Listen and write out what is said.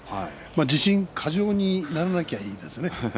自信過剰にならなければいいですね。